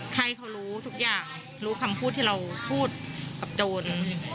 ให้เขารู้ทุกอย่างรู้คำพูดที่เราพูดกับโจร